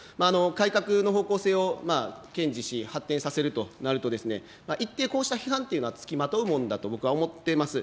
改革の方向性を堅持し発展させるとなると、一定こうした批判というのは付きまとうものだと僕は思っています。